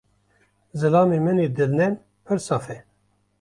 Zilamê min ê dilnerm, pir saf e.